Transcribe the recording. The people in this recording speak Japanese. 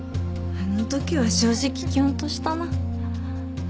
あの時は正直キュンとしたな。